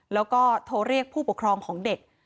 แล้วก็โทรเรียกผู้ปกครองของเด็ก